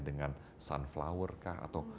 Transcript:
dengan sunflower kah atau